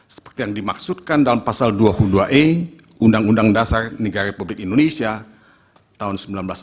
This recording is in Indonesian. seperti yang dimaksudkan dalam pasal dua puluh dua e undang undang dasar negara republik indonesia tahun seribu sembilan ratus empat puluh lima